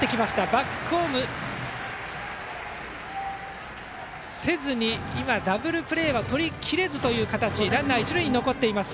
バックホームせずダブルプレーはとりきれずという形でランナー、一塁に残っています。